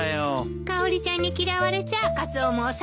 かおりちゃんに嫌われちゃカツオもお先真っ暗ね。